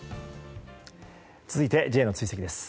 続いてＪの追跡です。